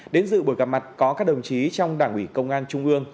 đến dự buổi gặp mặt có các đồng chí trong đảng ủy công an trung ương